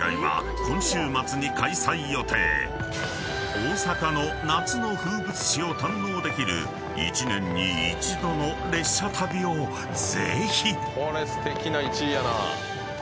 ［大阪の夏の風物詩を堪能できる一年に一度の列車旅をぜひ！］